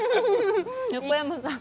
横山さん